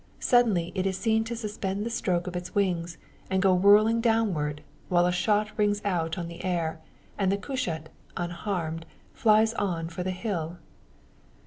Suddenly it is seen to suspend the stroke of its wings, and go whirling downward; while a shot rings out on the air, and the cushat, unharmed, flies on for the hill.